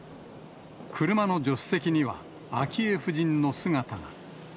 車の助手席には、昭恵夫人の姿が。